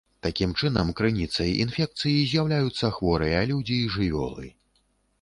Такім чынам, крыніцай інфекцыі з'яўляюцца хворыя людзі і жывёлы.